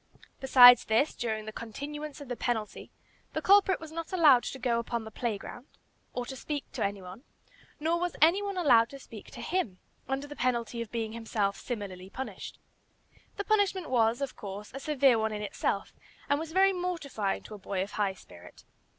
Besides this, during the continuance of the penalty the culprit was not allowed to go upon the play ground, or to speak to any one, nor was any one allowed to speak to him, under the penalty of being himself similarly punished. The punishment was, of course, a severe one in itself, and was very mortifying to a boy of high spirit.